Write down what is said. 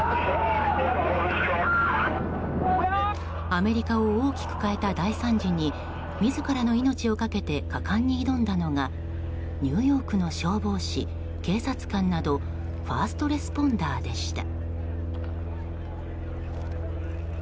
アメリカを大きく変えた大惨事に自らの命を懸けて果敢に挑んだのはニューヨークの消防士警察官などファーストレスポンダーでした。